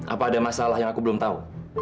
apa ada masalah yang aku belum tahu